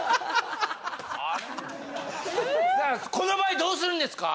この場合どうするんですか？